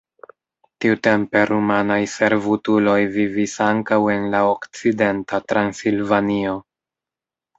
Tiutempe rumanaj servutuloj vivis ankaŭ en la okcidenta Transilvanio.